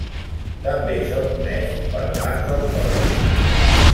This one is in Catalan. També se’l coneix per Mas del Coll.